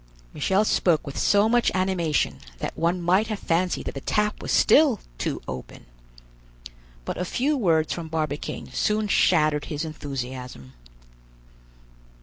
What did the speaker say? Michel spoke with so much animation that one might have fancied that the tap was still too open. But a few words from Barbicane soon shattered his enthusiasm.